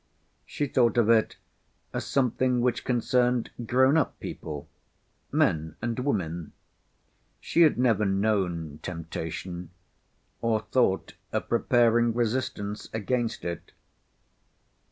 She thought of it as something which concerned grown up people—men and women. She had never known temptation, or thought of preparing resistance against it.